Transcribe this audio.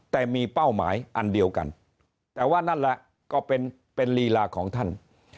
แต่มีเป้าหมายอันเดียวกันแต่ว่านั่นแหละก็เป็นลีลาของท่าน